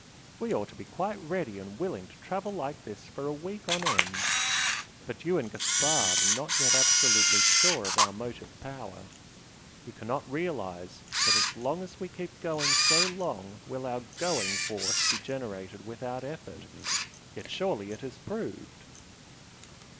We ought to be quite ready and willing to travel like this for a week on end! But you and Gaspard are not yet absolutely sure of our motive power! you cannot realise that as long as we keep going so long will our 'going' force be generated without effort yet surely it is proved!"